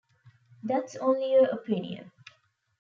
That's only your opinion.